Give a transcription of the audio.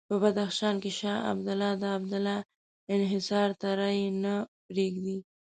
په بدخشان کې شاه عبدالله د عبدالله انحصار ته رایې نه پرېږدي.